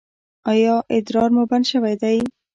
ایا ادرار مو بند شوی دی؟